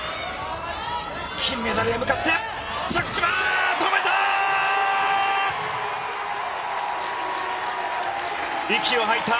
金メダルへ向かって着地は止めた！